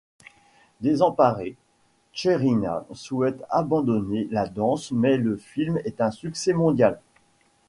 Désemparée, Tcherina souhaite abandonner la danse mais le film est un succès mondial.